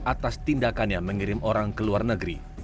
atas tindakannya mengirim orang ke luar negeri